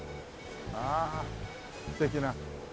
ああ素敵な。